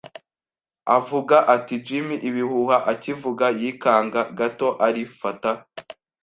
Avuga ati: “Jim, ibihuha”; akivuga, yikanga gato, arifata